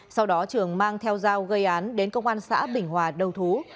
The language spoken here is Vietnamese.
sau đó trường mang theo dao gây án đến công an xã bình hòa đầu thú